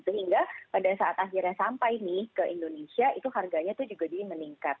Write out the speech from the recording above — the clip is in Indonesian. sehingga pada saat akhirnya sampai ke indonesia itu harganya juga jadi meningkat